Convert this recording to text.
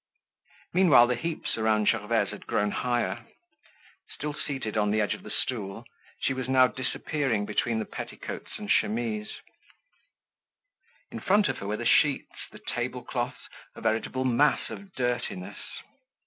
Meanwhile the heaps around Gervaise had grown higher. Still seated on the edge of the stool, she was now disappearing between the petticoats and chemises. In front of her were the sheets, the table cloths, a veritable mass of dirtiness.